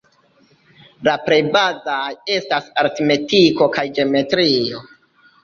La plej bazaj estas aritmetiko kaj geometrio.